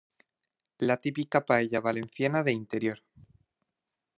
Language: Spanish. La típica paella valenciana de interior.